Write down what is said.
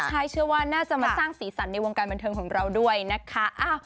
ใช่เชื่อว่าน่าจะมาสร้างสีสันในวงการบันเทิงของเราด้วยนะคะ